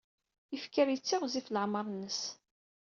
Ifker yettiɣzif leɛmeṛ-nnes.